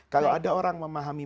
kalau ada orang memahami